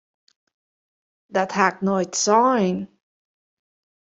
Dat ha ik noait sein!